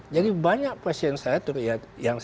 jadi banyak pasien saya